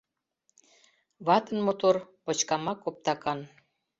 Ватын мотор — почкама коптакан